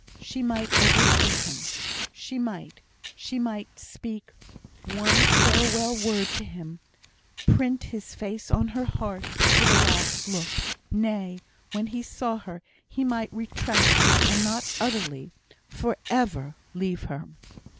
She might overtake him she might she might speak one farewell word to him, print his face on her heart with a last look nay, when he saw her he might retract, and not utterly, for ever, leave her.